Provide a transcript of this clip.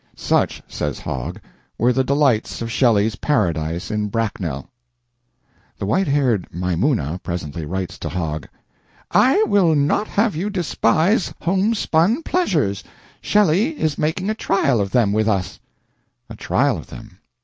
"Such," says Hogg, "were the delights of Shelley's paradise in Bracknell." The white haired Maimuna presently writes to Hogg: "I will not have you despise home spun pleasures. Shelley is making a trial of them with us " A trial of them.